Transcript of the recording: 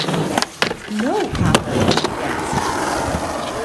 ‘No, papa!’ she gasped.